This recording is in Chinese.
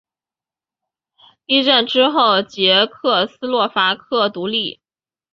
一战之后捷克斯洛伐克独立。